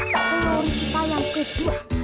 tolong kita yang kedua